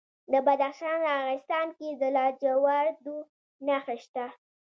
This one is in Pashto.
د بدخشان په راغستان کې د لاجوردو نښې شته.